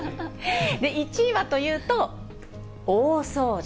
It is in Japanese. １位はというと、大掃除。